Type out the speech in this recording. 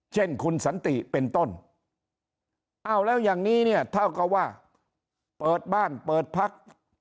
เช่นคุณสันติเป็นต้นอ้าวแล้วอย่างนี้เนี่ยเท่ากับว่าเปิดบ้านเปิดพัก